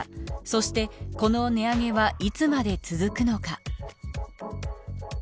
そしてこの値上げはいつまで続くのか。